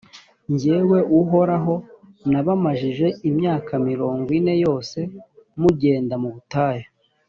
jyewe uhoraho nabamajije imyaka mirongo ine yose mugenda mu butayu: